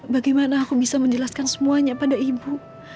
bagaimana aku bisa menjelaskan semuanya pada ibu